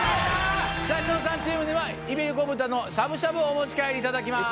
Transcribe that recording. さぁニノさんチームにはイベリコ豚のしゃぶしゃぶをお持ち帰りいただきます。